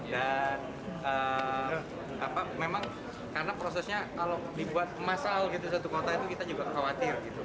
dan memang karena prosesnya kalau dibuat masal gitu satu kota itu kita juga khawatir gitu